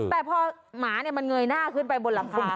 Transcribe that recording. แต่พอหมามันเงยหน้าขึ้นไปบนหลังคา